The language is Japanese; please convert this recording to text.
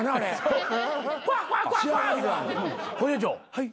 はい。